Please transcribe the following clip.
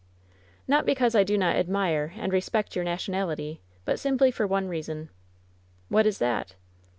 ^' "Not because I do not admire and respect your nation ality, but simply for one reason." "What is that?"